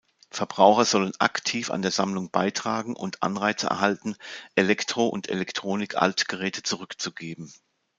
Verbraucher sollen aktiv an der Sammlung beitragen und Anreize erhalten, Elektro- und Elektronik-Altgeräte zurückzugeben.